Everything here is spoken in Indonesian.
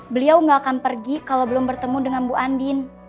beliau nggak akan pergi kalau belum bertemu dengan bu andin